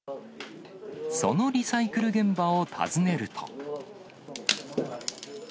そのリサイクル現場を訪ねると。